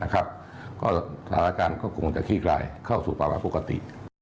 ก็สถานการณ์ก็คงจะขี้คลายเข้าสู่ภาวะปกติ